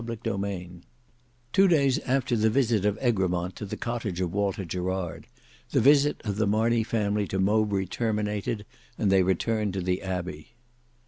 Book 3 Chapter 2 Two days after the visit of Egremont to the cottage of Walter Gerard, the visit of the Marney family to Mowbray terminated, and they returned to the Abbey.